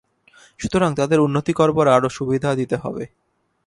সুতরাং তাদের উন্নতি করবার আরও সুবিধা দিতে হবে।